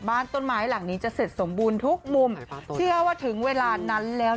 บ้านต้นไม้หลังนี้จะเสร็จสมบูรณ์ทุกมุมเชื่อว่าถึงเวลานั้นแล้ว